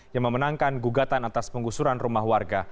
yang memenangkan gugatan atas penggusuran rumah warga